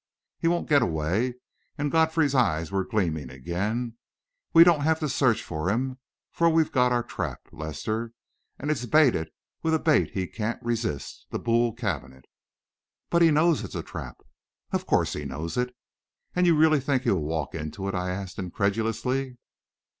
"He won't get away!" and Godfrey's eyes were gleaming again. "We don't have to search for him; for we've got our trap, Lester, and it's baited with a bait he can't resist the Boule cabinet!" "But he knows it's a trap." "Of course he knows it!" "And you really think he will walk into it?" I asked incredulously.